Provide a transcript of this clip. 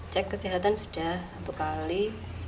cek kesehatan sudah satu kali